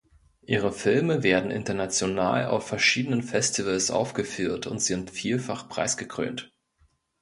Ihre Filme werden international auf verschiedenen Festivals aufgeführt und sind vielfach preisgekrönt.